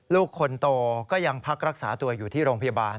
ลูกคนโตก็ยังพักรักษาตัวอยู่ที่โรงพยาบาล